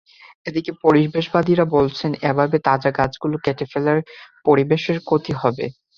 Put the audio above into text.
এদিকে পরিবেশবাদীরা বলছেন, এভাবে তাজা গাছগুলো কেটে ফেলায় পরিবেশের ক্ষতি হবে।